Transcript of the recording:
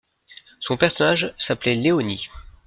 Son personnage s'appelait Leonie.